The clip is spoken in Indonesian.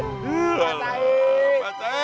aku punya rencana